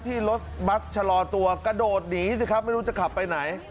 ที่รถบัสชะลอตัวกระโดดหนีสิครับไม่รู้จะขับไปไหน